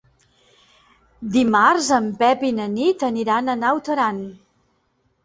Dimarts en Pep i na Nit aniran a Naut Aran.